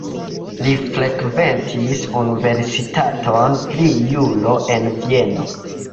Li frekventis universitaton pri juro en Vieno.